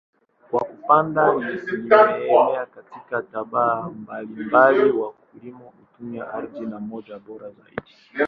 Kwa kupanda mimea katika tabaka mbalimbali, wakulima hutumia ardhi na maji bora zaidi.